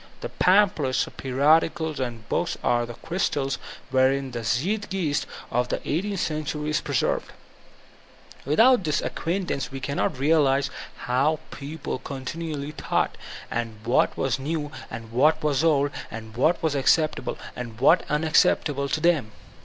The panq)hlets, periodicals, and books are the crystals wherein ike Zeiigeist of the i8th century is preserved. Without Mm acquaintance we cannot realize how the people con 282 VOLTAUUNE DE ClEYKE tinually thought, and what was new and what was old, what was accq>table and what unacceptable to them.